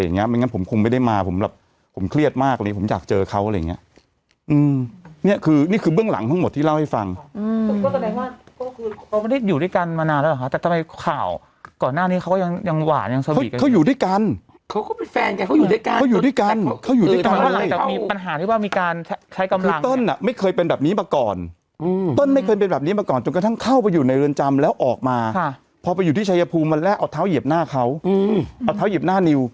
เขาอยู่ด้วยกันมานานแล้วหรอคะแต่ทำไมข่าวก่อนหน้านี้เขาก็ยังหวานยังสะบีกกันเขาอยู่ด้วยกันเขาก็เป็นแฟนกันเขาอยู่ด้วยกันเขาอยู่ด้วยกันเขาอยู่ด้วยกันหลังจากมีปัญหาหรือว่ามีการใช้กำลังคือต้นอ่ะไม่เคยเป็นแบบนี้มาก่อนอืมต้นไม่เคยเป็นแบบนี้มาก่อนจนกระทั่งเข้าไปอยู่ในเรือนจำแล้วออกมาค่ะพอไปอยู่ที่